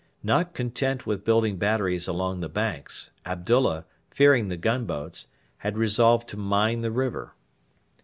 Not content with building batteries along the banks, Abdullah, fearing the gunboats, had resolved to mine the river.